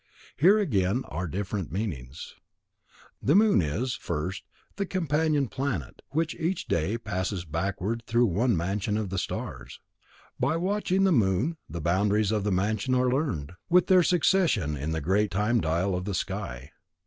Here again are different meanings. The moon is, first, the companion planet, which, each day, passes backward through one mansion of the stars. By watching the moon, the boundaries of the mansion are learned, with their succession in the great time dial of the sky.